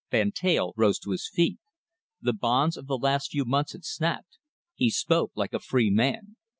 Van Teyl rose to his feet. The bonds of the last few months had snapped. He spoke like a free man.